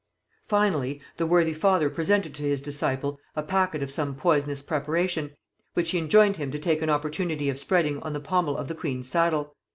Finally the worthy father presented to his disciple a packet of some poisonous preparation, which he enjoined him to take an opportunity of spreading on the pommel of the queen's saddle.